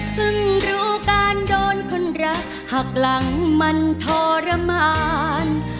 รู้การโดนคนรักหักหลังมันทรมาน